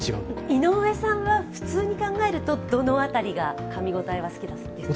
井上さんは普通に考えるとどの辺りがかみごたえが好きですか？